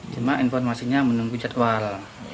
cuma informasinya menunggu jadwal